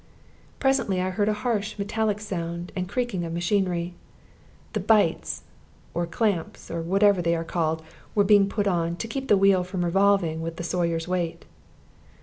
Presently I heard a harsh metallic sound and creaking of machinery. The bites, or clamps, or whatever they are called, were being put on, to keep the wheel from revolving with the Sawyer's weight.